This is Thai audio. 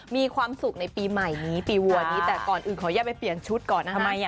เป็นความสุขของคนไทยจริงค่ะ